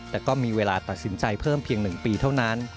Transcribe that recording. แต่ก็มีเวลาตัดสินใจเพิ่มเพียง๑ปีเท่านั้น